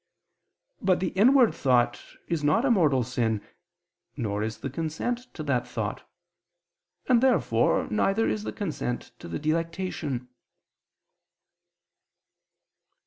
But the inward thought is not a mortal sin, nor is the consent to that thought: and therefore neither is the consent to the delectation.